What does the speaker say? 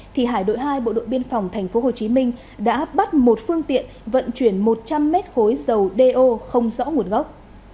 thì hải đội hai bộ đội biên phòng tp hcm đã bắt một phương tiện vận chuyển một trăm linh mét khối dầu do không rõ nguồn gốc